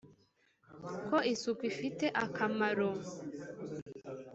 ko isuku ifite akamaro